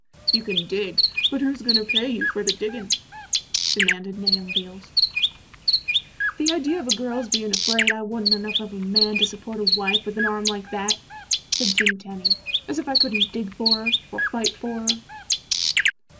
"You can dig, but who's goin' to pay you for the diggin'?" demanded Nahum Beals. "The idea of a girl's bein' afraid I wa'n't enough of a man to support a wife with an arm like that," said Jim Tenny, "as if I couldn't dig for her, or fight for her."